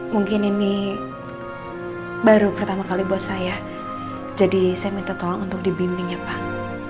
mungkin ini baru pertama kali buat saya jadi saya minta tolong untuk dibimbing ya pak